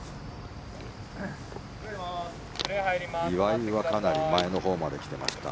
岩井はかなり前のほうまで来てました。